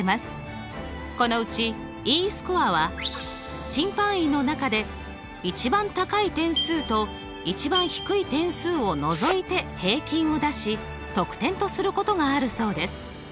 このうちＥスコアは審判員の中で一番高い点数と一番低い点数をのぞいて平均を出し得点とすることがあるそうです。